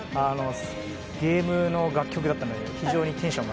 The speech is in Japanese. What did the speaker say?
ゲームの楽曲だったので非常にテンションが